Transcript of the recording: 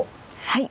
はい。